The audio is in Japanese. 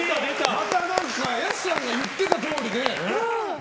また、やすさんが言ってたとおりで。